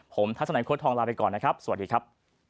ผมทัศนัยโค้ทองลาไปก่อนนะครับสวัสดีครับ